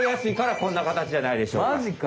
マジか。